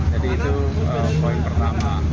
jadi itu poin pertama